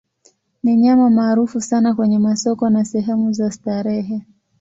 Ni nyama maarufu sana kwenye masoko na sehemu za starehe.